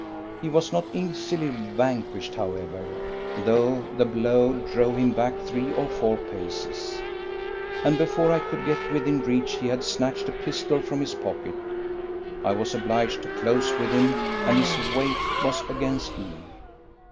He was not easily vanquished, however, though the blow drove him back three or four paces; and, before I could get within reach, he had snatched a pistol from his pocket. I was obliged to close with him, and his weight was against me.